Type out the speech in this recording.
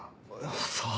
さあ。